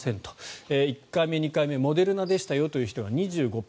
１回目、２回目モデルナでしたという方が２５％。